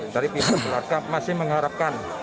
dari pihak keluarga masih mengharapkan